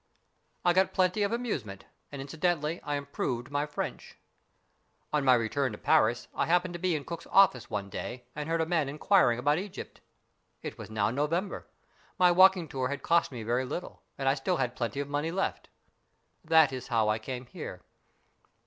I got plenty of amusement, and incidentally I improved my French. On my return to Paris I happened to be in Cook's office one day and heard a man inquiring about Egypt. It was now November. My walking tour had cost me very little, and I still had plenty of money left. That is how I came here.